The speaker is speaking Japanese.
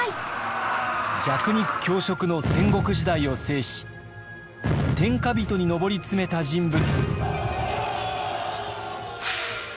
弱肉強食の戦国時代を制し天下人に上り詰めた人物。